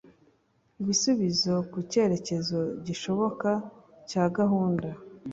ibisubizo ku cyerekezo gishoboka cya gahunda